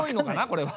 これは。